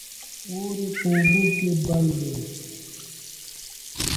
اور يې په اوبو کې بل دى